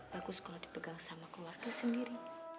bagus kalau dipegang sama keluarga sendiri